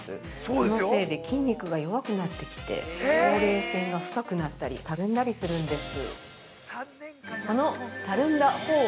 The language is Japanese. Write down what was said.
そのせいで筋肉が弱くなってきてほうれい線が深くなったりたるんだりするんです。